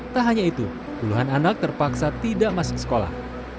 tak hanya itu puluhan anak terpaksa tidak masuk sekolah